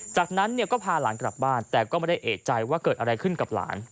จากนั้นเนี่ยก็พาหลานกลับบ้านแต่ก็ไม่ได้เอกใจว่าเกิดอะไรขึ้นกับหลาน